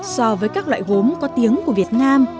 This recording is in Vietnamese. so với các loại gốm có tiếng của việt nam